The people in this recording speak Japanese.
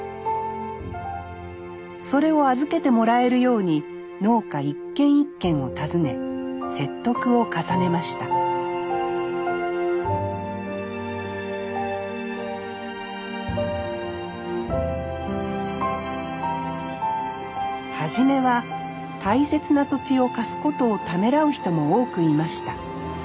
それを預けてもらえるように農家一軒一軒を訪ね説得を重ねました初めは大切な土地を貸すことをためらう人も多くいました。